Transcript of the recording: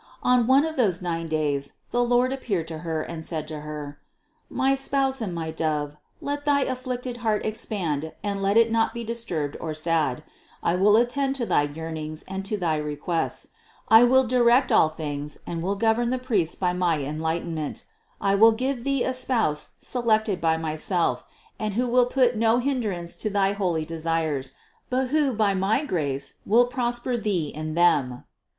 On one of those nine days the Lord appeared to Her and said to Her: "My Spouse and my Dove, let thy afflicted heart expand and let it not be disturbed or sad ; I will attend to thy yearn ings and to thy requests, I will direct all things, and will govern the priests by my enlightenment; I will give Thee a spouse selected by Myself, and one who will put no hindrance to thy holy desires, but who, by my grace will prosper Thee in them.